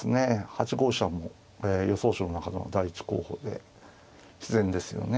８五飛車も予想手の中の第１候補で自然ですよね。